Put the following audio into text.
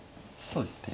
そうですね。